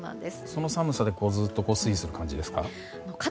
その寒さでずっと推移する感じですか？